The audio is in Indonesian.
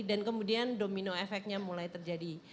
dan kemudian domino effect nya mulai terjadi